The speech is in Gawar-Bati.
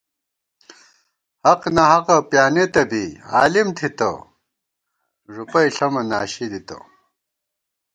حق ناحقہ پیانېتہ بی عالِم تھِتہ ݫُپَئ ݪمہ ناشی دِتہ